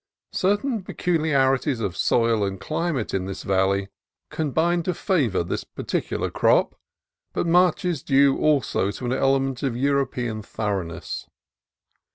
Certain peculiari ties of soil and climate in this valley combine to favor this particular crop, but much is due also to an ele ment of European thoroughness.